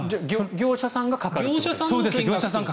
業者さんがかかる？